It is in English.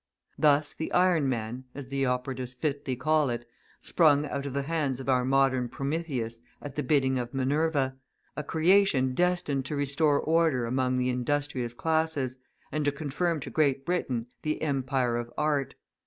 Thus the Iron Man, as the operatives fitly call it, sprung out of the hands of our modern Prometheus at the bidding of Minerva a creation destined to restore order among the industrious classes, and to confirm to Great Britain the empire of art.